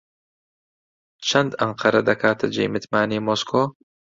چەند ئەنقەرە دەکاتە جێی متمانەی مۆسکۆ؟